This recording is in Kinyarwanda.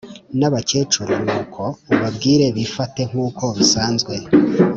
N abakecuru ni uko ubabwire bifate nk uko bisanzwe